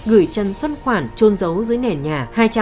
gửi chân xuất khoản trôn dấu dưới nền nhà